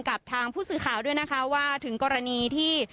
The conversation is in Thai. กับทางผู้สื่อข่าวด้วยนะคะว่าถึงกรณีที่